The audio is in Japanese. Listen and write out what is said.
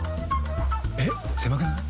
えっ狭くない？